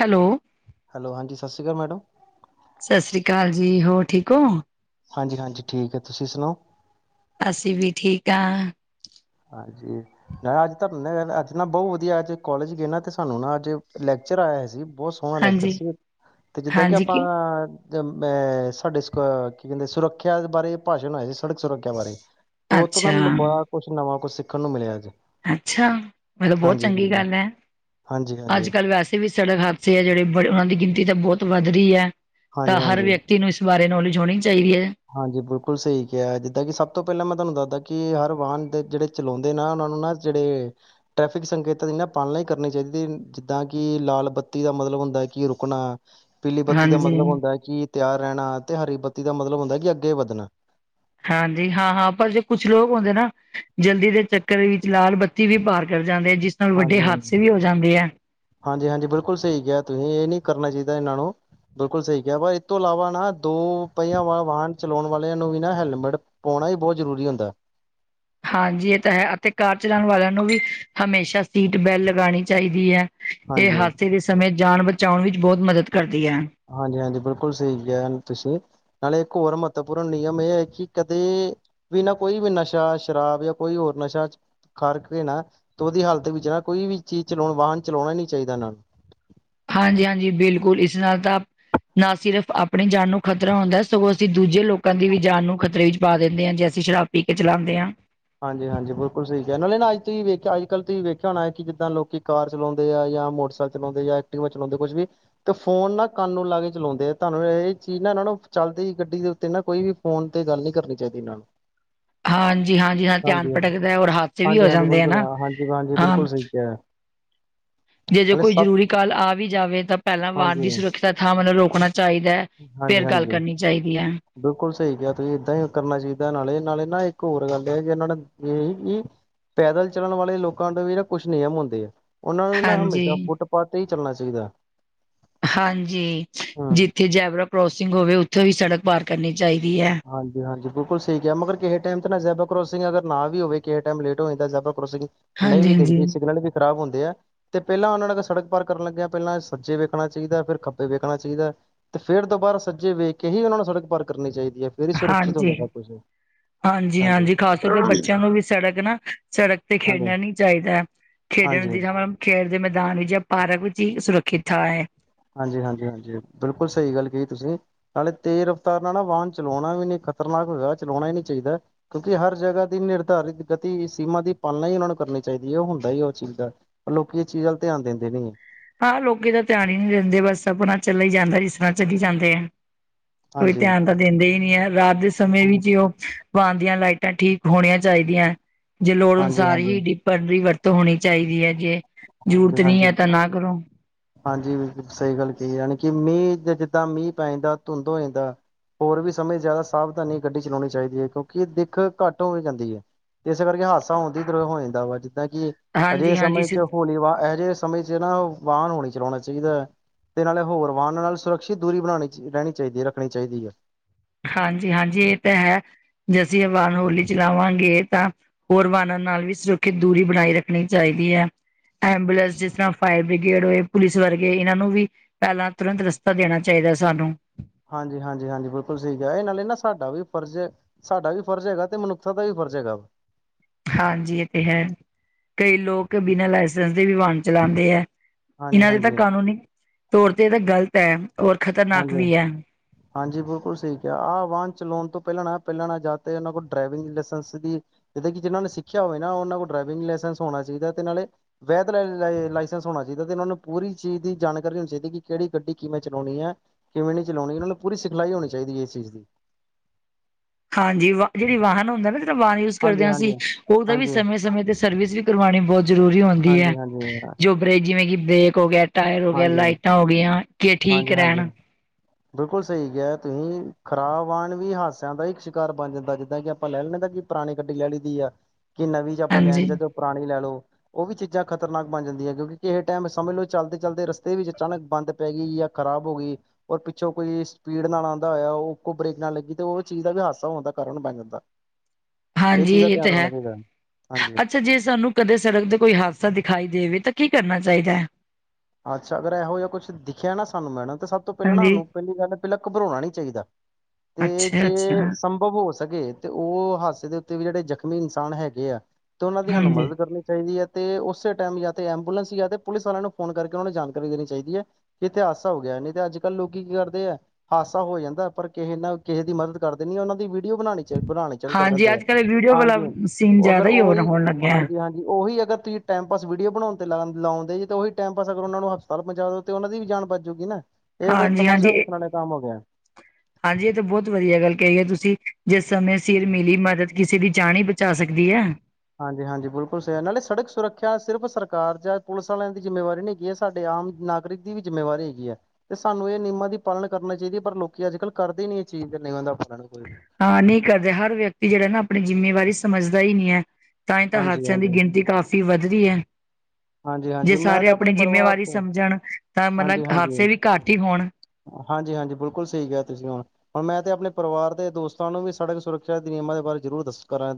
Hello, hello ਹਾਂਜੀ ਸਤਿ ਸ੍ਰੀ ਅਕਾਲ ਮੈਡਮ ਸਤਿ ਸ੍ਰੀ ਅਕਾਲ ਜੀ ਹੋਰ ਠੀਕ ਹੋ ਹਾਂਜੀ ਹਾਂਜੀ ਠੀਕ ਹੈ ਤੁਸੀਂ ਸੁਣਾਓ ਅਸੀਂ ਵੀ ਠੀਕ ਹਾਂ ਾਂਜੀ ਮ ਅੱਜ ਤੁਹਾਨੂੰ ਨਾ ਅੱਜ ਨਾ ਬਹੁਤ ਵਧੀਆ ਅੱਜ ਕੋਲਜ ਗਏ ਨਾ ਅਤੇ ਸਾਨੂੰ ਨਾ ਅੱਜ ਲੈਕਚਰ ਆਇਆ ਸੀ ਬੋਤ ਸੋਹਣਾ ਲੈਚ ਹਾਂਜੀ। ਸੀ ਤੇ ਜਿੱਦਾਂ ਕਿ ਹਾਂਜੀ ਕੀ, ਆਪਾਂ ਮੈਂ ਸਾਡੇ ਸਕ ਕੀ ਕਹਿੰਦੇ ਸੁਰੱਖਿਆ ਬਾਰੇ ਪਾਸ਼ਨ ਆਏ ਦੇ ਸੀ। ਸੜਕ ਸੁਰੱਖਿਆ ਬਾਰੇ, ਤੇ ਉਤੋਂ ਨਾ ਅੱਛਾ, ਮੈਨੂੰ ਬੜਾ ਕੁਛ ਨਵਾਂ ਕੁਛ ਸਿੱਖਣ ਨੂੰ ਮਿਲਿਆ ਜੇ। ਅੱਛਾ, ਮਤਲਬ ਬਹੁਤ ਚੰਗੀ ਗੱਲ ਐ। ਹਾਂਜੀ ਹਾਂਜੀ ਅੱਜ ਕੱਲ੍ਹ ਵੈਸੇ ਵੀ ਸੜਕ ਹਾਦਸੇ ਐ ਜਿਹੜੇ ਬੜੇ ਉਹਨਾਂ ਦੀ ਗਿਣਤੀ ਤਾਂ ਬੋਤ ਵੱਧ ਰਹੀ ਐ, ਹਾਂਜੀ ਤਾਂ ਹਰ ਹਾਂਜੀ ਵਿਅਕਤੀ ਨੂੰ ਇਸ ਬਾਰੇ ਨੌਲੇਜ ਹੋਣੀ ਚਾਹੀਦੀ ਹੈ। ਹਾਂਜੀ, ਬਿਲਕੁਲ ਸਹੀ ਕਿਹਾ, ਜਿੱਦਾਂ ਕਿ ਸਭ ਤੋਂ ਪਹਿਲਾਂ ਮੈਂ ਤੁਹਾਨੂੰ ਦੱਸਦਾ ਕਿ ਹਰ ਵਾਹਨ ਦੇ ਜਿਹੜੇ ਚਲਾਉਂਦੇ ਨਾ ਉਹਨਾਂ ਨੂੰ ਨਾ ਜਿਹੜੇ ਟ੍ਰੈਫਿਕ ਸੰਕੇਤਾਂ ਦੀ ਨਾ ਪਾਲਣਾ ਹੀ ਕਰਨੀ ਚਾਹੀਦ ਜਿੱਦਾਂ ਕਿ ਲਾਲ ਬੱਤੀ ਦਾ ਮਤਲਬ ਹੁੰਦਾ ਕਿ ਰੁਕਣਾ। ਪੀਲੀ ਬੱਤੀ ਦਾ ਹਾਂਜੀ। ਮਤਲਬ ਹੁੰਦਾ ਕਿ ਤਿਆਰ ਰਹਿਣਾ, ਤੇ ਹਰੀ ਬੱਤੀ ਦਾ ਮਤਲਬ ਹੁੰਦਾ ਕਿ ਅੱਗੇ ਵੱਧਣਾ। ਹਾਂਜੀ, ਹਾਂ, ਹਾਂ, ਪਰ ਜੇ ਕੁਛ ਲੋਕ ਹੁੰਦੇ ਨਾ ਜਲਦੀ ਦੇ ਚੱਕਰ ਵਿੱਚ ਲਾਲ ਬੱਤੀ ਵੀ ਪਾਰ ਕਰਦੇ। ਹਾਂਜੀ, ਹਾਂਜੀ, ਹਾਂਜੀ, ਹਾਂਜੀ, ਬਿਲਕੁਲ ਸਹੀ ਕਿਹਾ, ਤੁਸੀਂ ਇਹ ਨਹੀਂ ਕਰਨਾ ਚਾਹ ਇਹਨਾਂ ਨੂੰ। ਬਿਲਕੁਲ ਸਹੀ ਕਿਹਾ ਪਰ ਇਹ ਤੋਂ ਇਲਾਵਾ ਨਾ ਦੋ ਪਹੀਆਂ ਵਾਲਾ ਵਾਹਨ ਚਲਾਉਣ ਵਾਲਿਆਂ ਨੂੰ ਵੀ ਨਾ ਹੈਲਮਟ ਪਾਉਣ ਣਾ ਵੀ ਬਹੁਤ ਜ਼ਰੂਰੀ ਹੁੰਦਾ। [unintelligible] ਹਾਂਜੀ, ਇਹ ਤਾਂ ਹੈ, ਅਤੇ ਕਾਰ ਚਲਾਉਣ ਵਾਲਿਆਂ ਨੂੰ ਵੀ ਹਮੇਸ਼ਾ ਸੀਟ ਬੈਲਟ ਲਗਾਣੀ ਚਾਹੀਦੀ ਐ। ਇਹ ਹਾਂਜੀ ਹਾਦਸੇ ਦੇ ਸਮੇਂ ਜਾਨ ਬਚਾਉਣ ਵਿੱਚ ਬਹੁਤ ਮਦਦ ਕਰਦ ਹਾਂਜੀ, ਹਾਂਜੀ, ਬਿਲਕੁਲ ਸਹੀ ਕਿਹਾ ਤੁਸੀਂ। ਨਾਲੇ ਇੱਕ ਹੋਰ ਮਹੱਤਵਪੂਰਨ ਨਿਯਮ ਏ ਹੈ ਕਿ ਕਦੇ ਵੀ ਨਾ ਕੋਈ ਵੀ ਨਸ਼ਾ ਸ਼ਰਾਬ ਜਾਂ ਕੋਈ ਹੋਰ ਨਸ਼ਾ ਖਾਰ ਕੇ ਨਾ ਤੇ ਉਹਦੀ ਹਾਲਤ ਵਿੱਚ ਨਾ ਕੋਈ ਵੀ ਚੀਜ਼ ਚਲਾ ਵਾਹਨ ਚਲਾਉਣਾ ਨੀ ਚਾਹੀਦਾ ਇਹਨਾਂ ਨੂੰ। ਹਾਂਜੀ, ਹਾਂਜੀ, ਬਿਲਕੁਲ ਇਸ ਨਾਲ ਤਾ ਨਾ ਸਿਰਫ਼ ਆਪਣੀ ਜਾਨ ਨੂੰ ਖ਼ਤਰਾ ਹੁੰਦਾ ਸਗੋਂ ਅਸੀਂ ਦੂਜੇ ਲੋਕਾਂ ਦੀ ਵੀ ਜਾਨ ਨੂੰ ਖ਼ਤਰੇ ਵਿੱਚ ਪਾ ਦਿੰਦੇ ਹਾਂ ਜੇਸ ਅਸੀਂ ਸ਼ਰਾਬ ਪੀ ਕੇ ਚਾਲਾਂਦੇ ਆ। ਹਾਂਜੀ, ਹਾਂਜੀ ਬਿਲਕੁਲ ਸਹੀ ਕੇਹਾ, ਨਾਲੇ ਨਾ ਅੱ ਤੁਸੀ ਵੈਖਿਆ ਅੱਜ ਕੱਲ ਤੁਸੀਂ ਵੇਖਿਆ ਹੋਣਾ ਐ ਕਿ ਜਿੱਦਾਂ ਲੋਕੀ ਕਾਰ ਚਲਾਉਂਦੇ ਆ। ਜਾਂ ਮੋਟਰਸਾਈਕਲ ਚਲਾਉਂਦੇ ਯਾਂ ਐਕਟੀਵਾ ਚਲਾਉਂਦੇ ਕੁਛ ਵੀ ਤੇ ਫੋਨ ਨਾ ਕੰਨ ਨੂੰ ਲਾ ਕੇ ਚਲਾਉਦੇ ਆ ਤੁਹਾਨੂੰ ਇਹ ਚੀਜ਼ ਨਾ ਇਹਨਾਂ ਨੂੰ ਚੱਲਦੀ ਹੋਈ ਗੱਡੀ ਦੇ ਉੱਤੇ ਨਾ ਕੋਈ ਵੀ ਫੋਨ ਤੇ ਗੱਲ ਨੀ ਕਰਨੀ ਚਾਹੀਦੀ ਇਹਨਾਂ ਨੂੰ। ਹਾਂਜੀ, ਹਾਂਜੀ, ਹਾਂ ਧਿਆਨ ਹਾਂਜੀ-ਹਾਂਜੀ, ਪਟਕਦੈ ਔਰ ਹਾਦਸੇ ਵੀ ਹੋ ਹਾਂਜੀ-ਹਾਂਜੀ ਜਾਂਦੇ ਐ ਬਿਲਕੁਲ ਨਾ ਹਾਂਜੀ-ਹਾਂਜੀ ਹਾਂ। ਬਿਲਕੁਲ ਸਹੀ ਕਿਹਾ ਜੇ ਜੇ ਨਾਲੇ ਕੋਈ ਸਭ ਜ਼ਰੂਰੀ ਕਾਲ ਆ ਵੀ ਜਾਵੇ ਤਾਂ ਪਹਿਲਾਂ ਵਾਨ ਹਾਂਜੀ, ਦੀ ਸੁਰੱਕਸ਼ਾ ਥਾਂ ਓਹਨੂੰ ਰੋਕਨਾ ਚਾਹੀਦੈ। ਹਾਂਜੀ, ਫੇਰ ਗੱਲ ਹਾਂਜੀ। ਕਰਨੀ ਚਾਹੀਦੀ ਐ। ਬਿਲਕੁਲ ਸਹੀ ਕਿਹਾ ਤੁਸੀਂ ਏਦਾਂ ਈ ਕਰਨਾ ਚਾਹੀਦਾ ਨਾਲੇ ਨਾਲੇ ਨਾ ਇਕ ਔਰ ਗੱਲ ਏ, ਜਿਨਾਂ ਨੇ ਇਹ ਕਿ ਪੈਦਲ ਚੱਲਣ ਵਾਲੇ ਲੋਕਾਂ ਦੇ ਵੀ ਨਾ ਕੁਛ ਨਿਯਮ ਹੁੰਦੇ ਆ। ਓਹਨਾਂ ਨੂੰ ਨਾ ਹਾਂਜੀ। ਹਮੇਸ਼ਾ ਫੁੱਟਪਾਥ ਤੇ ਹੀ ਚੱਲਣਾ ਚਾਹੀਦੈ। ਹਾਂਜੀ, ਜਿੱਥੇ ਜੈਬਰਾ ਕਰੋਸਿੰਗ ਹੋਵੇ ਉੱਥੋਂ ਦੀ ਸੜਕ ਪਾਰ ਕਰਨੀ ਚਾਹੀਦੀ ਐ। ਹਾਂਜੀ, ਹਾਂਜੀ, ਬਿਲਕੁਲ ਸਹੀ ਕਿਹਾ, ਮਗਰ ਕੇਹੇ ਟਾਈਮ ਤੇ ਨਾ ਜੇਬਰਾ ਕਰੋਸਿੰਗ ਅਗਰ ਨਾ ਵੀ ਹੋਵੇ ਕੇਹੇ ਟਾਈਮ ਲੇਟ ਹੋ ਜਾਂਦਾ ਜ਼ੇਬਰਾਂ ਕਰੋਸਿੰਗ ਨਹੀਂ ਵੀ ਹਾਂਜੀ-ਹਾਂਜੀ, ਦੇਖਦੀ ਸਿਗਨਲ ਵੀ ਖਰਾਬ ਹੁੰਦੇ ਆ, ਤੇ ਪਹਿਲਾਂ ਉਹਨਾਂ ਨਾਲ ਸੜਕ ਪਾਰ ਕਰਨ ਲੱਗਿਆ ਪਹਿਲਾਂ ਸੱਜੇ ਵੇਖਣਾ ਚਾਹੀਦਾ ਫੇਰ ਖੱਬੇ ਵੇਖਣਾ ਚਾਹੀਦਾ। ਤੇ ਫੇਰ ਦੁਬਾਰਾ ਸੱਜੇ ਵੇਖ ਕੇ ਹੀ ਓਹਨਾਂ ਨੂੰ ਸੜਕ ਪਾਰ ਕਰਨੀ ਚਾਹੀਦੀ ਏ, ਫੇਰ ਹੀ ਸੁਰੱਕਸ਼ਿਤ ਹੁੰਦਾ ਸਭ ਕੁਛ। ਹਾਂਜੀ, ਹਾਂਜੀ, ਖ਼ਾਸ ਤੌਰ ਤੇ ਬੱਚਿਆਂ ਨੂੰ ਵੀ ਸੜਕ ਨਾ ਸੜਕ ਤੇ ਹਾਂਜੀ, ਖੇਡਣਾ ਨੀ ਚਾਹੀਦਾ। ਹਾਂਜੀ, ਖੇਡਣ ਦੀ ਥਾਂ ਮਤਲਬ ਖੇਡ ਦੇ ਮੈਦਾਨ ਵਿੱਚ ਜਾਂ ਪਾਰਕ ਵਿੱਚ ਹੀ ਸੁਰੱਖਿਤ ਥਾਂ ਐ। ਹਾਂਜੀ, ਹਾਂਜੀ, ਹਾਂਜੀ, ਬਿਲਕੁਲ ਸਹੀ ਗੱਲ ਕਹੀ ਤੁਸੀਂ, ਨਾਲੇ ਤੇਜ਼ ਰਫਤਾਰ ਨਾਲ ਨਾ ਵਾਹਨ ਚਲਾਉਣਾ ਵੀ ਨ ਖ਼ਤਰਨਾਕ ਹੋਏਗਾ ਚਲਾਉਣਾ ਹੀ ਨੀ ਚਾਹੀਦਾ, ਕਿਉਂਕਿ ਹਰ ਜਗਾ ਦੀ ਨਿਰਧਾਰੀਤ ਗਤੀ ਸੀਮਾ ਦੀ ਪਾਲਣਾ ਹੀ ਓਹਨਾਂ ਨੂੰ ਕਰ ਕਰਨੀ ਚਾਹੀਦੀ ਐ, ਓਹ ਹੁੰਦਾ ਉਸ ਚੀਜ਼ ਦਾ ਪਰ ਲੋਕੀ ਇਸ ਚੀਜ਼ ਵੱਲ ਧਿਆਨ ਦਿੰਦੇ ਨੀ ਐ। ਹਾਂ, ਲੋਕੀ ਤੇ ਧਿਆਨ ਹੀ ਨੀ ਦਿੰਦੇ ਬਸ ਆਪਣਾ ਚੱਲੇ ਜਾਂਦਾ ਜਿਸ ਤਰਾ ਚੱਲੀ ਜਾਂਦੇ ਆ। ਕੋਈ ਹਾਂਜੀ, ਧਿਆਨ ਤਾਂ ਦਿੰਦੇ ਹੀ ਨੀ ਐ ਰਾਤ ਦੇ ਸਮੇਂ ਵੀ ਹਾਂਜੀ, ਜੇ ਓਹ ਵਾਹਨ ਦੀਆਂ ਲਾਈਟਾਂ ਠੀਕ ਹੋਣੀਆਂ ਚਾਹੀਦੀਆਂ ਜੇ ਲੋੜ ਹਾਂਜੀ, ਅਨੁਸਾਰ ਹੀ ਹਾਂਜੀ, ਡੀਪਰ ਦੀ ਵਰਤ ਤੋ ਹੋਣੀ ਚਾਹੀਦੀ ਏ ਜੇ ਜੁਰਤ ਨੀ ਹੈ ਹਾਂਜੀ। ਤਾਂ ਨਾ ਕਰੋ। ਹਾਂਜੀ, ਬਿਲਕੁਲ ਸਹੀ ਗੱਲ ਕਹੀ, ਯਾਂਨੀ ਕਿ ਮੀਂਹ ਜਿੱਦਾਂ ਮੀਂਹ ਪੈ ਜਾਂਦਾ ਧੁੰਦ ਹੋ ਜਾਂਦਾ। ਹੋਰ ਵੀ ਸਮੇਂ ਜ਼ਿਆਦਾ ਸਾਵਧਾਨੀ ਗੱਡੀ ਚਲਾਉਣੀ ਚਾਹੀਦੀ ਏ ਕਿਉਂਕਿ ਦਿੱਖ ਘੱਟ ਹੋ ਜਾਂਦੀ ਏ। ਤੇ ਇਸੇ ਕਰਕੇ ਹਾਦਸਾ ਹੁੰਦੀ ਦੋਂ ਹੋ ਜਾਂਦਾ ਵਾ। ਜਿੱਦਾਂ ਕਿ ਅਜਿਹੇ ਹਾਂਜੀ-ਹਾਂਜੀ ਸਮੇਂ ਸ ਚ ਹੋਲੀ ਵਾਹ ਅਜਿਹੇ ਸਮੇਂ ਚ ਨਾ ਵਾਹਨ ਹੋਲੀ ਚਲਾਉਣਾ ਚਾਹੀਦਾ ਏ। ਤੇ ਨਾਲੇ ਹੋਰ ਵਾਹਨਾਂ ਨਾਲ ਸੁਰੱਖਸ਼ਿਤ ਦੂਰੀ ਬਣਾਉਣੀ ਰਹਿਣੀ ਚਾਹੀਦੀ ਏ ਰੱਖਣੀ ਚਾਹੀਦੀ ਏ। ਹਾਂਜੀ ਹਾਂਜੀ ਇਹ ਤਾਂ ਹੈ। ਜੇ ਅਸੀਂ ਵਾਹਾਨ ਹੋਲੀ ਚਲਾਵਾਂਗੇ ਤਾਂ ਹੋਰ ਵਾਹਣਾਂ ਨਾਲ ਵੀ ਸੁਰੱਖਿਅਤ ਦੂਰੀ ਬਣਾਈ ਰੱਖਣੀ ਚਾਹੀ ਕੀ ਹੈ। ਐਂਬੂਲੈਂਸ ਜਿਸ ਤਰਾਹ ਫਾਇਰ ਬੀਗੇਡ ਹੋਏ ਪੁਲਿਸ ਵਰਗੇ ਇਹਨਾਂ ਨੂੰ ਵੀ ਪਹਿਲਾਂ ਤੁਰੰਤ ਰਸਤਾ ਦੇਨਾ ਚਾਹੀਦਾ। ਸਾਨੂੰ ਹਾਂਜੀ ਹਾਂਜੀ ਹਾਂਜੀ ਬਿਲਕੁਲ ਸਹੀ ਕੇਹਾ ਇਹ ਨਾਲੇ ਨਾ ਸਾਡਾ ਵੀ ਫਰਜ਼ ਸਾਡਾ ਵੀ ਫਰਜ਼ ਹੈਗਾ ਤੇ ਮਨੁੱਖਤਾ ਦਾ ਵੀ ਫਰ ਫਰਜ ਹੈਗਾ। ਹਾਂਜੀ ਇਹ ਤੇ ਹੈ ਕਈ ਲੋਕ ਬਿਨਾਂ ਲਾਈਸੈਂਸ ਦੇ ਵੀ ਵਾਨ ਚਲਾਉਂਦੇ ਐ। ਹਾਂਜੀ ਇਹਨਾਂ ਦੇ ਤਾਂ ਹਾਂਜੀ ਕਾਨੂੰਨੀ ਤੌਰ ਤੇ ਇਹ ਤਾਂ ਗ਼ਲਤ ਹੈ ਔਰ ਖ਼ਤਰਨਾਕ ਹਾਂਜੀ ਵੀ ਹੈ। ਹਾਂਜੀ ਬਿਲਕੁਲ ਸਹੀ ਕੇਹਾ ਆਹ ਵਾਹਨ ਚਲਾਉਣ ਤੋਂ ਪਹਿਲਾਂ ਨਾ ਪਹਿਲਾਂ ਨਾ ਜਾ ਤੇ ਓਹਨਾਂ ਕੋਲ ਡਰਾਈਵਿੰਗ ਲਾਇਸੈਂਸ ਦੀ ਜਿੱਦਾਂ ਕਿ ਜਿਨਾਂ ਨੇ ਸਿੱਖਿਆ ਹੋਵੇ ਨਾ ਓਹਨਾਂ ਕੋਲ ਡਰਾਈਵਿੰਗ ਲਾਇਸੈਂਸ ਹੋਣਾ ਚਾਹੀਦਾ ਤੇ ਨਾਲੇ ਵੈਦ ਲ-ਈ ਲ-ਈ ਲਾਇਸੈਂਸ ਹੋਣਾ ਚਾਹੀ ਦਾ ਓਹਨਾਂ ਨੂੰ ਪੂਰੀ ਚੀਜ਼ ਦੀ ਜਾਣਕਾਰੀ ਹੋਣੀ ਚਾਹੀ ਕਿਹੜੀ ਗੱਡੀ ਕਿਵੇਂ ਚਲਾਉਣੀ ਏ। ਕਿਵੇਂ ਨਹੀਂ ਚਲਾਉਣੀ ਇਹਨਾਂ ਨੂੰ ਪੂਰੀ ਸਿਖਲਾਈ ਹੋਣੀ ਚਾਹੀਦੀ ਹੈ ਇਸ ਚੀਜ਼ ਦੀ। ਹਾਂਜੀ ਵਾਹ ਜਿਹੜੀ ਵਾਹਨ ਹੁੰਦਾ ਨਾ ਵ ਯੂਜ ਕਰਦੇ ਹਾਂਜੀ ਹਾਂ ਹਾਂਜੀ ਅਸੀਂ ਓਹਦਾ ਵੀ ਹਾਂਜੀ ਸਮੇਂ ਸਮੇਂ ਤੇ ਸਰਵਿਸ ਵੀ ਕਰਵਾਉਣੀ ਬਹੁਤ ਜ਼ਰੂਰੀ ਹੁੰਦੀ ਹੈ। ਹਾਂਜੀ ਹਾਂਜੀ ਜੋ ਬਰੇਕ ਜਿਵੇਂ ਕਿ ਬਰੇਕ ਹੋ ਗਿਆ। ਟਾਇਰ ਹੋ ਗਿਆ ਹਾਂਜੀ ਲਾਈਟਾਂ ਹੋਗਈਆਂ ਕਿ ਠੀਕ ਹਾਂਜੀ ਰਹਿਣ। ਹਾਂਜੀ ਬਿਲਕੁਲ ਸਹੀ ਕਿਹਾ ਤੁਸੀਂ ਖ਼ਰਾਬ ਵਾਨ ਵੀ ਹਾਦਸਿਆਂ ਦਾ ਹੀ ਇੱਕ ਸ਼ਿਕਾਰ ਬਣ ਜਾਂਦਾ ਜਿੱਦਾਂ ਕਿ ਆਪਾਂ ਲੈ ਲੈਂਦੇ ਹਾਂ ਕਿ ਪੁਰਾਣੀ ਗੱਡੀ ਲੈ ਲਈ ਦੀ ਆ। ਕਿ ਨਵੀਂ ਚ ਆਪਾਂ ਲੈ ਨੀ ਹਾਂਜੀ, ਸਕਦੇ ਓਹ ਪੁਰਾਣੀ ਲੈ ਲਓ ਓਹ ਵੀ ਚੀਜ਼ਾਂ ਖ਼ਤਰਨਾਕ ਬਣ ਜਾਂਦੀਆਂ ਕਿਉਂਕਿ ਕਿਸੇ ਟਾਈਮ ਸਮੇਝ ਲੌ ਚੱਲਦੇ ਚਲਦੇ ਰਸਤੇ ਵੀ ਅਚਾਨਕ ਬੰਦ ਪੈ ਗਈ ਯਾਂ ਖਰਾਬ ਹੋ ਗਈ ਔਰ ਪਿੱਛੋਂ ਕੋਈ ਸਪੀਡ ਨਾਲ ਆਉਂਦਾ ਹੋਇਆ ਓਹ ਉਹ ਬਰੇਕ ਨਾਲ ਲੱਗੀ ਤੇ ਉਹ ਚੀਜ਼ ਦਾ ਵੀ ਹਾਸਾ ਆਉਂਦਾ ਕਾਰਨ ਬਣ ਜਾਂਦਾ ਹੈ। ਹਾਂਜੀ ਚੀਜ਼ ਦਾ ਇਹ ਧਿਆਨ ਤੇ ਰੱਖਣਾ ਹੈ। ਚਾਹੀਦਾ ਹਾਂਜੀ ਅੱਛਾ ਜੇ ਸਾਨੂੰ ਕਦੇ ਸੜਕ ਦਾ ਕੋਈ ਹਾਦਸਾ ਦਿਖਾਈ ਦੇਵੇ ਤਾਂ ਕੀ ਕਰਨਾ ਚਾਹੀਦਾ ਹੈ? ਅੱਛਾ ਅਗਰ ਇਹੋ ਜਿਹਾ ਕੁਛ ਦਖਿਆ ਨਾ ਸਾਨੂੰ ਮੈਡਮ ਤੇ ਸਭ ਤੋਂ ਪਹਿਲਾਂ ਨਾ ਹਾਂਜੀ, ਸਾਨੂੰ ਪਹਿਲੀ ਗੱਲ ਪਹਿਲਾਂ। ਘਬਰਾਣਾ ਨਹੀਂ ਚਾਹੀਦਾ ਤੇ ਜੇ ਅੱਛਾ-ਅੱਛਾ, ਸੰਭਵ ਹੋ ਸਕੇ। ਸਕੇ ਤੇ ਉਹ ਹਾਦਸੇ ਦੇ ਉੱਤੇ ਵੀ ਜਿਹੜੇ ਜ਼ਖਮੀ ਇਨਸਾਨ ਹੈਗੇ ਆ ਤੇ ਉਹਨਾਂ ਦੀ ਸਾਨੂੰ ਹਾਂਜੀ। ਮਦਦ ਕਰਨੀ ਚਾਹੀਦੀ ਹੈ। ਤੇ ਉਸੇ ਟਾਈਮ ਜਾ ਤੇ ਐਬੂਲੈਂਸ ਜਾਂ ਤੇ ਪੁਲਿਸ ਵਾਲਿਆਂ ਨੂੰ। ਫੋਨ ਕਰਕੇ ਉਹਨਾਂ ਨੇ ਜਾਣਕਾਰੀ ਦੇਣੀ ਚਾਹੀਦੀ ਹੈ ਕਿ ਇੱਥੇ ਹਾਦਸਾ ਹੋ ਗਿਆ ਨਹੀਂ ਤੇ ਅੱਜ ਕੱਲ ਲੋਕ ਕੀ ਕਰਦੇ ਹੈ ਹਾਦਸਾ ਹੋ ਜਾਂਦਾ। ਪਰ ਕਿਸੇ ਨਾ ਕਿਸੇ ਦੀ ਮਦਦ ਕਰ ਦੇ ਨੀ ਉਹਨਾਂ ਦੀ ਵੀ। ਵੀਡੀਓ ਬਣਾਉਣੀ ਚਲ ਬਣਾਉਣੀ ਚਾਲੂ ਕਰ ਹਾਂਜੀ ਦਿੰਦੇ ਆ ਅੱਜ-ਕੱਲ੍ਹ ਵੀਡੀਓ ਵਾਲਾ ਹਾਂਜੀ ਸੀਨ ਅਗਰ ਜ਼ਿਆਦਾ ਹੀ ਹੋ ਉਹੀ ਹੋਣ ਲੱਗਿਆ। ਹਾਂਜੀ ਹਾਂਜੀ ਉਹੀ। ਅਗਰ ਤੁਸੀਂ ਟਾਈਮ ਪਾਸ ਵੀਡੀਓ ਬਣਾਉਣ ਤੇ ਲਾ ਲਾਉਦੇੇ ਤੇ ਉਹੀ। ਟਾਈਮ ਪਾਸ ਅਗਰ ਉਹਨਾਂ ਨੂੰ ਹਸਪਤਾਲ ਪਹੁੰਚਾ ਦਿਓ ਤੇ ਉਹਨਾਂ ਦੀ ਵੀ ਜਾਨ ਬਚ ਜੂਗੀ ਨਾ ਇਹ ਫਿਰ ਹਾਂਜੀ-ਹਾਂਜੀ, ਤਮਾਸ਼ਾ ਵੇਖਣ ਇਹ ਵਾਲੇ ਕੰਮ ਹੋ ਗਿਆ ਹੈ। ਹਾਂਜੀ ਇਹ ਤਾਂ ਬਹੁਤ ਵਧੀਆ ਗੱਲ ਕਹੀਏ ਤੁਸੀਂ ਜਿਸ ਸਮੇਂ ਸਿਰ ਹਾਂਜੀ ਮਿਲੀ ਮਦਦ ਕਿਸੇ ਦੀ। ਜਾਨ ਹੀ ਬਚਾ ਸਕਦੀ ਹੈ। ਹਾਂਜੀ ਹਾਂਜੀ ਬਿਲਕੁਲ ਸਹੀ ਹੈ ਨਾਲੇ ਸੜਕ ਸੁਰੱਖਿਆ ਸਿਰਫ ਸਰਕਾਰ ਜਾਂ ਪੁਲਿਸ ਵਾਲਿਆਂ ਦੀ ਜਿੰਮੇਵਾਰੀ ਨਹੀਂ ਹੈਗੀ ਹੈ ਸਾਡੇ? ਆਮ ਨਾਗਿਕ ਦੀ ਵੀ ਜਿੰਮੇਵਾਰੀ ਹੈਗੀ ਹੈ। ਤੇ ਸਾਨੂੰ ਇਹ ਨਿਯਮਾਂ ਦੀ ਪਾਲਣ ਕਰਨਾ ਚਾਹੀਦੀ ਹੈ। ਪਰ ਲੋਕੀ ਅੱਜ ਕੱਲ ਕਰਦੇ ਹੀ ਨੀ। ਚੀਜ਼ ਦੇ ਨਿਯਮਾ ਦਾ ਪਤਾ ਨਹੀਂ। ਹਾਂ ਨਹੀਂ ਕਰਦੇ ਹਰ ਵਿਅਕਤੀ ਜਿਹੜਾ ਨਾ ਆਪਣੀ ਜਿੰਮੇਵਾਰੀ ਸਮਝਦਾ ਹੀ ਨਹੀਂ ਹੈ? ਤਾਂ ਹੀ ਤਾਂ ਹਾਸਿਆਂ ਦੀ ਹਾਂਜੀ-ਹਾਂਜੀ, ਗਿਣਤੀ ਕਾਫੀ ਵੱਧ ਰਹੀ ਹੈ ਜੇ ਹਾਂਜੀ-ਹਾਂਜੀ ਮੈਂ ਸਾਰੇ ਤਾਂ ਆਪਣੇ ਆਪਣੀ ਪਰਿਵਾਰ ਜਿੰਮੇਵਾਰੀ ਤੋਂ ਸਮਝਣ ਤਾਂ ਮਤਲਬ ਹਾਦਸੇ ਵੀ ਘੱਟ ਹੀ ਹੋਣ। ਹਾਂਜੀ ਹਾਂਜੀ ਬਿਲਕੁਲ ਸਹੀ ਕਿਹਾ ਤੁਸੀਂ ਹੁਣ ਹੁਣ ਮੈਂ। ਤੇ ਆਪਣੇ ਪਰਿਵਾਰ ਦੇ ਦੋਸਤਾਂ ਨੂੰ ਵੀ ਸੜਕ ਸੁਰੱਖਿਆ ਦੇ ਨਿਯਮਾਂ ਦੇ ਬਾਰੇ ਜ਼ਰੂਰ ਦੱਸਾ ਕਰਾਂ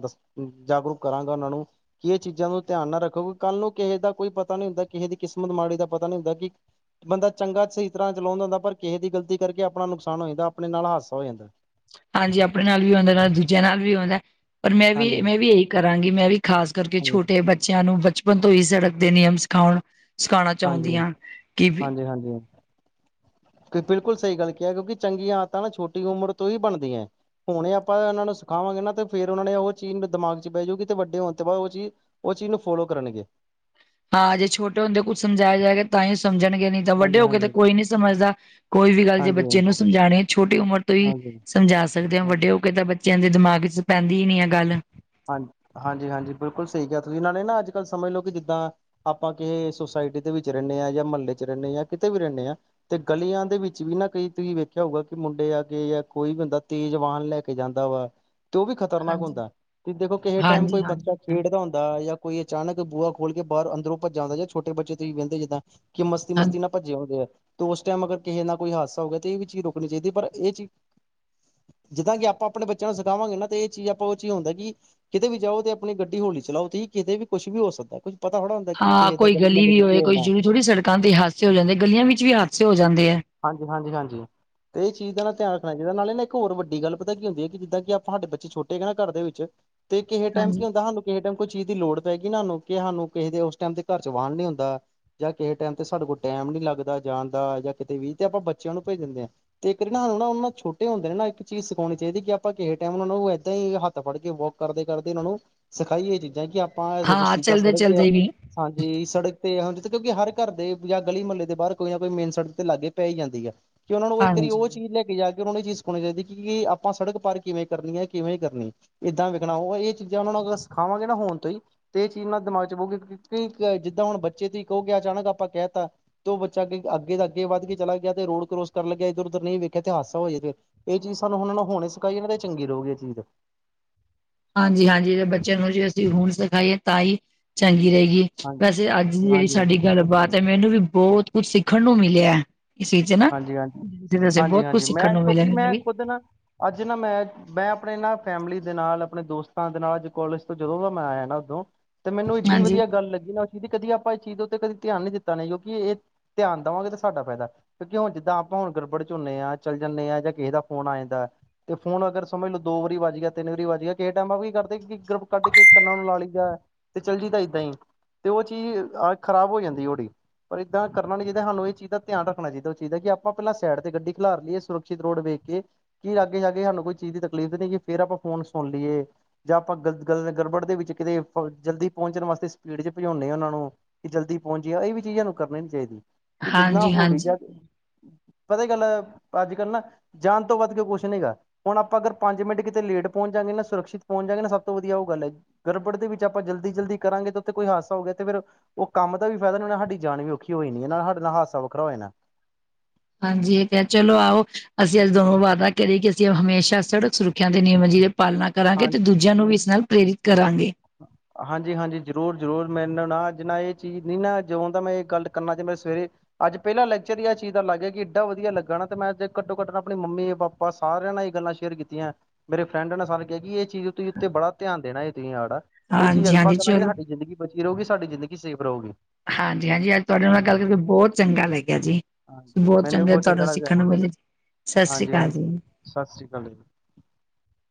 ਜਾਗਰੂਕ ਕਰਾਂਗਾ ਉਹਨਾ ਨੂੰ। ਉਹਨੂੰ ਕੀ ਇਹ ਚੀਜ਼ਾਂ ਨੂੰ ਧਿਆਨ ਨਾ ਰੱਖੋਗੇ ਕੱਲ ਨੂੰ। ਕਿਸੇ ਦਾ ਕੋਈ ਪਤਾ ਨੀ ਹੁੰਦਾ ਕਿਸੇ ਦੀ ਕਿਸਮਤ ਮਾੜੀ ਦਾ ਪਤਾ ਨੀ ਹੁੰਦਾ ਕਿ ਬੰਦਾ ਚੰਗਾ ਸਹੀ ਤਰ੍ਹਾਂ ਚਲਾਉਂਦਾ ਹੁੰਦਾ ਪਰ। ਕਿਸੇ ਦੀ ਗਲਤੀ ਕਰਕੇ ਆਪਣਾ ਨੁਕਸਾਨ ਹੋ ਜਾਂਦਾ ਆਪਣੇ ਨਾਲ ਹਾਦਸਾ ਹੋ ਜਾਂਦਾ ਹੈ। ਹਾਂਜੀ ਆਪਣੇ ਨਾਲ ਵੀ ਹੁੰਦਾ ਹੈ ਨਾਲੇ ਦੂਜਿਆਂ ਨਾਲ ਵੀ ਹੁੰਦਾ ਹੈ। ਪਰ ਮੈਂ ਵੀ ਹਾਂਜੀ, ਮੈਂ ਵੀ ਇਹੀ ਕਰਾਂਗੀ ਮੈਂ ਵੀ ਖਾਸ ਕਰਕੇ ਹਾਂਜੀ, ਛੋਟੇ ਬੱਚਿਆਂ ਨੂੰ? ਬਚਪਨ ਤੋਂ ਹੀ ਸੜਕ ਦੇ ਨਿਯਮ ਸਿਖਾਉਣ ਸਿਖਾਉਣਾ ਚਾਹੁੰਦੀ ਹਾਂਜੀ-ਹਾਂਜੀ। ਹਾਂ ਕਿ ਵੀ [inaudible] ਬਿਲਕੁਲ ਸਹੀ ਗੱਲ ਕਿਹਾ ਕਿਉਂਕਿ ਚੰਗੀਆਂ ਆਦਤਾਂ ਨਾ ਛੋਟੀ ਉਮਰ ਤੋਂ ਹੀ ਬਣਦੀਆਂ। ਹੁਣੇ ਆਪਾਂ ਉਹਨਾਂ ਨੂੰ ਸਿਖਾਵਾਂਗੇ ਨਾ ਤੇ ਫੇਰ ਉਹਨਾਂ ਨੇ ਉਹ ਚੀਜ਼ ਦਿਮਾਗ 'ਚ ਬਹਿ ਜਾਊਗੀ ਤੇ ਵੱਡੇ ਹੋਣ ਤੋਂ ਬਾਅਦ ਉਹ ਚੀਜ਼। ਉਹ ਚੀਜ਼ ਨੂੰ ਫੋਲੋ ਕਰਨਗੇ। ਹਾਂ ਜੇ ਛੋਟੇ ਹੁੰਦੇ ਕੁੱਝ ਸਮਝਾਇਆ ਜਾਏਗਾ ਤਾਂ ਹੀ। ਸਮਝਣਗੇ ਨਹੀਂ ਤਾਂ ਵੱਡੇ ਹਾਂਜੀ ਹੋ ਕੇ ਤੇ ਹਾਂਜੀ ਕੋਈ ਨੀ ਸਮਝਦਾ ਕੋਈ ਵੀ ਗੱਲ ਜੇ ਹਾਂਜੀ ਬੱਚੇ ਨੂੰ ਸਮਝਾਉਣੇ ਛੋਟੀ ਉਮਰ ਤੋਂ ਹੀ। ਹਾਂਜੀ ਸਮਝਾ ਸਕਦੇ ਹੋ ਹਾਂਜੀ ਵੱਡੇ ਹੋ ਕੇ ਤਾਂ ਬੱਚਿਆਂ ਦੇ ਦਿਮਾਗ 'ਚ ਪੈਂਦੀ ਹੀ ਨੀ ਹੈ ਇਹ ਗੱਲ ਹਾਂਜੀ ਹਾਂਜੀ ਹਾਂਜੀ ਬਿਲਕੁਲ ਸਹੀ ਕਿਹਾ ਤੁਸੀਂ ਇਹਨਾਂ ਨੇ ਨਾ ਅੱਜ ਕੱਲ ਸਮਝ ਲਓ ਕਿ ਜਿੱਦਾਂ ਆਪਾਂ ਕਿ ਸੁਸਾਇਟੀ ਦੇ ਵਿੱਚ ਰਹਿੰਦੇ ਹਾਂ ਜਾਂ ਮੁਹੱਲੇ 'ਚ ਰਹਿੰਦੇ ਜਾਂ ਕਿਤੇ ਵੀ ਰਹਿੰਦੇ ਆ ਤੇ ਗਲੀਆਂ ਦੇ ਵਿੱਚ ਵੀ ਨਾ ਕਈ ਤੁਸੀਂ ਵੇਖਿਆ ਹੋਊਗਾ ਕਿ ਮੁੰਡੇ ਆ ਗਏ ਜਾਂ ਕੋਈ ਬੰਦਾ ਤੇਜ਼ ਵਾਹਨ ਲੈ ਕੇ ਜਾਂਦਾ ਵਾ। ਤੇ ਉਹ ਵੀ ਖਤਰਨਾਕ ਹਾਂਜੀ ਹੁੰਦਾ ਤੇ ਦੇਖੋ ਕਿਸੇ ਟਾਈਮ ਹਾਂਜੀ ਕੋਈ ਬੱਚਾ ਹਾਂਜੀ ਖੇਡਦਾ ਹੁੰਦਾ ਹੈ। ਜਾਂ ਕੋਈ ਅਚਾਨਕ ਬੂਹਾ ਖੋਲ ਕੇ ਬਾਹਰੋ ਅੰਦਰੋਂ ਭੱਜ ਆਉਂਦਾ ਜਾਂ ਛੋਟੇ ਬੱਚੇ ਤੁਸੀਂ ਕਹਿੰਦੇ ਜਿਦਾਂ। ਕਿ ਮਸਤੀ ਹਾਂਜੀ ਮਸਤੀ ਨਾ ਭੱਜੇ ਆਉਂਦੇ ਆ। ਤੇ ਉਸ ਟਾਈਮ ਅਗਰ ਕਿਸੇ ਨਾਲ ਕੋਈ ਹਾਦਸਾ ਹੋ ਗਿਆ ਤੇ ਇਹ ਵੀ ਚੀਜ਼ ਰੋਕਣੀ ਚਾਹੀਦੀ ਪਰ ਇਹ ਚੀਜ਼। ਜਿੱਦਾਂ ਕਿ ਆਪਾਂ ਆਪਣੇ ਬੱਚਿਆਂ ਨੂੰ ਸਿਖਾਵਾਂਗੇ ਨਾ ਤੇ ਇਹ ਚੀਜ਼ ਆਪਾਂ ਉਹ ਹੀ ਹੁੰਦਾ ਕਿ। ਕਿਤੇ ਵੀ ਜਾਓ ਤੇ ਆਪਣੀ ਗੱਡੀ ਹੌਲੀ ਚਲਾਓ ਤੇ ਕਿ ਕਿਤੇ ਵੀ ਕੁੱਛ ਵੀ ਹੋ ਸਕਦਾ ਕੁਛ। ਹਾਂ ਕੋਈ ਗਲੀ ਵੀ ਹੋਏ ਕੋਈ ਜ਼ਰੂਰੀ ਥੋੜ੍ਹੀ ਸੜਕਾਂ ਤੇ ਹਾਦਸੇ ਹੋ ਜਾਂਦੇ ਗਲੀਆਂ ਵਿੱਚ ਵੀ ਹਾਦਸੇ ਹੋ ਜਾਂਦੇ ਹੈ। ਹਾਂਜੀ ਹਾਂਜੀ ਹਾਂਜੀ। ਤੇ ਇਹ ਚੀਜ਼ ਦਾ ਨਾਲ ਧਿਆਨ ਰੱਖਣਾ ਚਾਹੀਦਾ ਨਾਲ ਨਾ ਇੱਕ ਹੋਰ ਵੱਡੀ ਗੱਲ ਪਤਾ ਕੀ ਹੁੰਦੀ ਹੈ ਕਿ ਜਿੱਦਾਂ ਕਿ ਆਪਾਂ ਸਾਡੇ ਬੱਚੇ ਛੋਟੇ ਹੈ ਨਾ ਘਰ ਦੇ ਵਿੱਚ ਤੇ ਕਿਸੇ ਟਾਈਮ ਕੀ ਹਾਂਜੀ। ਹੁੰਦਾ ਸਾਨੂੰ ਕਿਸੇ ਟਾਈਮ ਕੋਈ ਚੀਜ਼ ਦੀ ਲੋੜ ਪਏਗੀੂ ਨਾ ਸਾਨੂੰ ਕਿ ਸਾਨੂੰ ਕਿਸੇ ਟਾਈਮ ਤੇ ਘਰ ਜਵਾਕ ਨਹੀਂ ਹੁੰਦਾ ਜਾਂ ਕਿਸੇ ਟਾਈਮ ਤੇ ਸਾਡੇ ਕੋਲ ਟਾਈਮ। ਟਾਈਮ ਨੀ ਲੱਗਦਾ ਜਾਣ ਦਾ ਜਾਂ। ਕਿਤੇ ਵੀ ਤੇ ਆਪਾਂ ਬੱਚਿਆਂ ਨੂੰ ਭੇਜਨ ਦੇ ਆ ਤੇ ਇੱਕ ਨਾ ਓਨਾ ਨੂੰ ਨਾ ਛੋਟੇ ਹੁੰਦੇ ਨੂੰ ਨਾ ਇੱਕ ਚੀਜ਼ ਸਿਖਉਣੀ ਚਾਹੀਦੀ ਕਿ ਆਪਾਂ ਟਾਈਮ ਓਨਾ ਨੂੰ ਏਦਾਂ ਈ ਹੱਥ ਫੜ ਕੇ ਵੋਕ ਕਰਦੇ ਕਰਦੇ ਉਨਾਂ ਨੂੰ ਸਿਖਾਈ ਏ ਚੀਜ਼ਾਂ ਕਿ ਆਪ ਪਾਂ ਹਾਂ ਚਲਦੇ ਸੜਕ ਤੇ ਐ ਚਲਦੇ ਵੀ ਹਾਂਜੀ ਸੜਕ ਤੇ ਕਿਉਂਕਿ ਹਰ ਘਰ ਦੇ ਜਾਂ ਗਲੀ ਮਹੱਲੇ ਦੇ ਬਾਰ ਕੋਈ ਨਾ ਕੋਈ ਮੇਨ ਸੜਕ ਤੇ ਲਾਗੇ ਪੈ ਈ ਜਾਂਦੀ ਆ। ਕਿ ਓਨਾਂ ਨੂੰ ਇੱਕ ਵਾਰੀ ਹਾਂਜੀ। ਆਬਚੀਜ਼ ਲੈ ਕੇ ਜਾ ਓਨਾ ਨੂੰ ਚੀਜ ਸਖੋਣੀ ਚਾਈਦੀ ਕਿ ਆਪਾਂ ਸੜਕ ਪਾਰ ਕਿਵੇਂ ਕਰਨੀ ਹੈ ਕਿਵੇਂ ਕਰਨੀ ਏਦਾਂ ਵੇਖਣਾ ਉਹ ਇਹ ਚੀਜ਼ਾਂ ਉਹਨਾਂ ਨੂੰ ਅਗਰ ਸਿਖਾਵਾਂਗੇ ਨਾ ਹੁਣ ਤੋਂ ਈ ਤੇ ਏ ਚੀਜ਼ ਨਾ ਦਿਮਾਗ ਚ ਬਾਉਗੀ ਕਿਉਂਕਿ ਜਿੱਦਾ ਹੁਣ ਬੱਚੇ ਤੁਹੀ ਹੀ ਕਹੋਗੇ ਅਚਾਨਕ ਆਪਾਂ ਆਪਾਂ ਕੈ ਤਾ ਤੇ ਓ ਬੱਚਾ ਅੱਗੇ ਅੱਗੇ ਦਾ ਗੇ ਵੱਧ ਕੇ ਚਲਾ ਗਿਆ ਤੇ ਰੋਡ ਕਰੌਸ ਕਰ ਲੱਗਿਆ ਇਧਰ ਉਧਰ ਨਈ ਵੇਖਿਆ ਤੇ ਹਾਦਸਾ ਹੋਜੇ ਫੇਰ ਏ ਚੀਜ਼ ਸਾਨੂੰ ਹੁਣ ਨਾ ਹੁਣ ਸਿਖਾਈ ਚੰਗੀ ਰਉਗੀ ਏ ਚੀਜ਼ [inaudible] ਹਾਂਜੀ-ਹਾਂਜੀ ਜੇ ਬੱਚਿਆਂ ਨੂੰ ਜੇ ਅਸੀਂ ਹੁਣ ਸਿਖਾਈਏ ਤਾਂ ਈ ਚੰਗੀ ਰਏਗੀ ਹਾਂਜੀ ਵੈਸੇ ਅੱਜ ਜੇੜੀ ਹਾਂਜੀ ਸਾਡੀ ਗੱਲਬਾਤ ਤੇ ਮੈਨੂੰ ਵੀ ਬੋਤ ਕੁਛ ਸਿੱਖਣ ਨੂੰ ਮਿਲਿਆ। ਚ ਨਾ ਵੈਸੇ ਬਹੁਤ ਕੁੱਝ ਹਾਂਜੀ-ਹਾਂਜੀ ਸਿੱਖਣ ਮੈਂ ਨੂੰ ਮਿਲਿਆ ਕਿਉਂਕਿ ਮੈਨੂੰ ਮੈਂ ਵੀ ਖੁੱਦ ਨਾ ਅੱਜ ਨਾ ਮੈਂ ਮੈਂ ਆਪਣੇ ਨਾ ਫੈਮਿਲੀ ਦੇ ਨਾਲ ਆਪਣੇ ਦੋਸਤਾਂ ਦੇ ਨਾਲ ਅੱਜ ਕੋਲਜ ਤੋਂ ਜਦੋਂ ਦਾ ਮੈਂ ਆਇਆ ਨਾ ਓਦੋਂ ਤੇ ਮੈਨੂੰ ਇੱਡੀ ਹਾਂਜੀ। ਵਧੀਆ ਗੱਲ ਲੱਗੀ ਨਾ ਕਿ ਨਾ ਕਦੀ ਆਪਾਂ ਏ ਚੀਜ਼ ਤੋਂ ਕਦੀ ਧਿਆਨ ਨੀ ਦਿੱਤਾ ਨੇ ਕਿਉਂਕਿ ਏ ਧਿਆਨ ਦੇਵਾਂਗੇ ਤਾਂ ਸਾਡਾ ਫੈਦਾ ਕਿਉਂਕਿ ਹੁਣ ਜਿੱਦਾਂ ਆਪਾਂ ਹੁਣ ਗੜਬੜ ਚ ਹੁੰਨੇ ਆ ਚੱਲ ਜਨੇ ਆ ਜਾਂ ਕਿਸੇ ਦਾ ਫੋਨ ਆ ਜਾਂਦਾ ਤੇ ਫੋਨ ਅਗਰ ਸਮਝ ਲੋ ਦੋ ਵਾਰੀ ਵੱਜ ਗਿਆ ਤਿੰਨ ਵਾਰੀ ਵੱਜ ਗਿਆ ਕਿਸੇ ਟਾਈਮ ਆਪ ਕੀ ਦੇ ਕਿ ਗਰੁੱਪ ਕੱਢ ਕੇ ਇੱਕ ਕੰਨਾਂ ਨੂੰ ਲਾ ਲਈਦੈ ਤੇ ਚੱਲਜੀ ਦਾ ਏਦਾਂ ਈ ਤੇ ਓ ਚੀਜ਼ ਆਹ ਖਰਾਬ ਹੋ ਜਾਂਦੀ ਪਰ ਇੱਦਾਂ ਕਰਨਾ ਨੀ ਚਾਈਦਾ ਸਾਨੂੰ ਏ ਚੀਜ਼ ਦਾ ਧਿਆਨ ਰੱਖ ਣਾ ਚਾਈਦਾ ਓ ਚੀਜ ਦਾ ਕਿ ਆਪਾਂ ਅਪਣਾ ਸੈਡ ਤੇ ਗੱਡੀ ਖਿਲਾਰ ਲਈਏ ਸੁਰਖਸ਼ਿਤ ਰੋਡ ਵੇਖ ਕੇ ਕੀ ਆਗੇ ਜਾ ਕੇ ਸਾਨੂੰ ਕੋਈ ਚੀਜ਼ ਦੀ ਤਕ [unintelligible] ਫੇਰ ਆਪਾਂ ਫੋਨ ਸੁਣ ਲੀਏ ਜਾਂ ਆਪਾਂ ਗ ਗ ਗੜਬੜ ਦੇ ਵਿੱਚ ਕਿਤੇ ਜਲਦੀ ਪਹੁੰਚਣ ਵਾਸਤੇ ਤੇ ਸਪੀਡ ਚ ਪਜੋਨੇ ਆ ਉਨਾਂ ਨੂੰ ਕਿ ਜਲਦੀ ਪਹੁੰਚ ਜੀਏ ਵੀ ਚੀਜ਼ ਨੂੰ ਕਰਨੀ ਨੀ ਚਾਈਦੀ ਹਾਂਜੀ-ਹਾਂਜੀ ਪਤਾ ਗੱਲ ਅੱਜ ਕੱਲ੍ਹ ਨਾ ਜਾਨ ਤੋਂ ਵੱਧ ਕੋ ਕੁੱਛ ਨੀ ਹੈਗਾ ਹੁਣ ਆਪਾਂ ਅਗਰ ਪੰਜ ਮਿੰਟ ਕਿਤੇ ਲੇਟ ਪਹੁੰਚ ਜਾਂਗੇ ਨਾ ਸੁਰਕਸ਼ਿਤ ਪਹੁੰਚ ਜਾਗੇ ਨਾ ਸਭ ਤੋਂ ਵਧੀਆ ਓ ਗੱਲ ਐ ਗੜਬੜ ਦੇ ਵਿੱਚ ਆਪਾਂ ਜਲਦੀ-ਜਲਦੀ ਕਰਾਂਗੇ ਤਾਂ ਉਥੇ ਕੋਈ ਹਾਦਸ ਹੋ ਤੇ ਫੇਰ, ਓ ਕੰਮ ਦਾ ਵੀ ਫਾਇਦਾ ਨੀ ਹੋਣਾ ਹਾਡੀ ਜਾਨ ਵੀ ਔਖੀ ਹੋ, ਜਾਣੀ। ਹਾਡੇ ਨਾਲ ਹਾਦਸਾ ਵੱਖਰਾ ਹੋ ਜਾਣਾ। ਹਾਂਜੀ, ਏ ਕੈ ਚਲੋ ਆਓ, ਅਸੀਂ ਅੱਜ ਦੋਨੋ ਵਾਅਦਾ ਕਰੀਏ ਕਿ, ਅਸੀਂ ਹਮੇਸ਼ਾ ਸੜਕ ਸੁਰੱਖਿਆ ਦੇ ਨਿਯਮ [unintelligible] ਪਾਲਣਾ ਕਰਾਂਗੇ, ਤੇ ਦੂਜਿਆਂ ਨੂੰ ਵੀ, ਇਸ ਨਾਲ ਪ੍ਰੇਰਿਤ ਕਰਾਂਗੇ। ਹਾਂਜੀ-ਹਾਂਜੀ, ਜ਼ਰੂਰ-ਜ਼ਰੂਰ, ਮੈਨੂੰ ਨਾ, ਅੱਜ ਨਾ, ਏ ਚੀਜ਼ ਨੀ, ਨਾ। ਜਦੋਂ ਦਾ ਮੈਂ, ਏ ਗੱਲ, ਕਰਨਾ ਚ ਮ ਸਵੇਰੇ ਅੱਜ ਪੇਲਾਂ ਲੈਕਚਰ ਈ, ਆ ਚੀਜ਼ ਦਾ ਲੱਗ ਗਿਆ। ਕਿ ਇਡਾ ਵਧੀਆ ਲੱਗਾ ਨਾ। ਤੇ ਮੈਂ ਘੱਟੋ- ਘੱਟ, ਨੲ ਆਪਣੀ ਮੰਮੀ, ਪਾਪਾ ਸਾਰਿਆਂ ਨਾਲ ਈ ਗੱਲਾਂ ਸ਼ੇਅਰ ਕੀਤੀਆਂ। ਮੇਰੇ ਫਰੈਂਡ ਨੇ, ਸਾਰੇ ਕਿਆ ਕਿ, ਏ ਚੀਜ਼ ਤੁਸੀਂ ਉੱਤੇ ਬੜਾ ਧਿਆਨ ਦੇਣਾ, ਏ ਤੁਸੀਂ ਆੜਾ ਏ ਚੀਜ਼ ਆਪਾਂ ਹਾਂਜੀ-ਹਾਂਜੀ ਕਰਾਂਗੇ, ਚਲੋ ਸਾਡੀ ਜ਼ਿੰਦਗੀ ਬਚੀ ਰਉਗੀ, ਸਾਡੀ ਜ਼ਿੰਦਗੀ ਸੇਫ ਰਹੂਗੀ। ਹਾਂਜੀ-ਹਾਂਜੀ, ਅੱਜ ਤੁਹਾਡੇ ਨਾਲ, ਗੱਲ ਕਰਕੇ, ਬੋਤ ਚੰਗਾ ਲੱਗਿਆ ਜੀ। ਹਾਂਜੀ-ਹਾਂਜੀ, ਬੋਤ ਮੈਨੂੰ ਵੀ ਚੰਗੇ, ਬਹੁਤ ਚੰਗਾ ਤੁਹਾਨੂੰ ਲੱਗਿਆ ਸਿੱਖਣ ਨੂੰ ਮਿਲੇ। ਸਤਿ ਸ੍ਰੀ ਅਕਾਲ ਹਾਂਜੀ-ਹਾਂਜੀ, ਜੀ। ਸਤਿ ਸ੍ਰੀ ਅਕਾਲ। [inaudible]